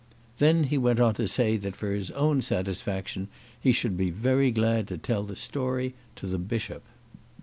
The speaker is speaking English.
Then he went on to say that for his own satisfaction he should be very glad to tell the story to the Bishop.